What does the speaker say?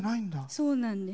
そうなんです。